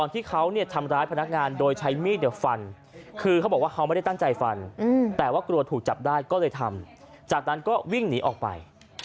ถ้ากลัวถูกจับได้ก็เลยทำจากนั้นก็วิ่งหนีออกไป